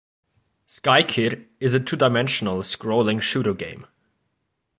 "Sky Kid" is a two-dimensional scrolling shooter game.